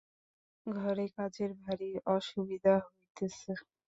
ঘরে কাজের ভারি অসুবিধা হইতেছে।